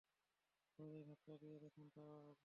দরজায় ধাক্কা দিয়ে দেখেন, তা ভোলা।